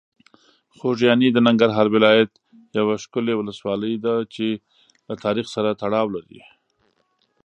خوږیاڼي د ننګرهار ولایت یوه ښکلي ولسوالۍ ده چې له تاریخ سره تړاو لري.